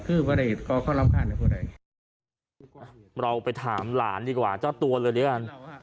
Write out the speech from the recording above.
ผมก็ไปเตือนเขาจริงแล้วไม่ใช่แค่บ้านผมนะน้าเองก็ทะเลาะกับเพื่อนบ้านเหมือนกัน